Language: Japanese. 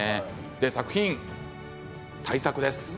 作品は大作です。